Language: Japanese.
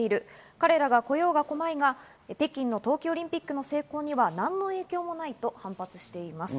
彼らが来ようが来まいが北京の冬季オリンピックの成功には何の影響もないと反発しています。